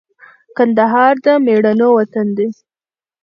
کندهار د مېړنو وطن دی